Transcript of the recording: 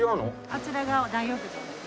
あちらが大浴場の入り口です。